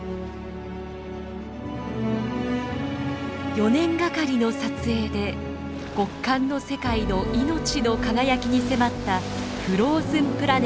４年がかりの撮影で極寒の世界の命の輝きに迫った「フローズンプラネット」。